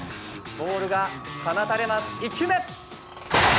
ボールが放たれます、１球目。